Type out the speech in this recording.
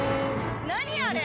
何あれ。